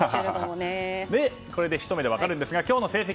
これでひと目で分かるんですが今日の成績